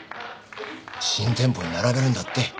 新店舗に並べるんだって。